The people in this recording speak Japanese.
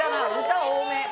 歌多め。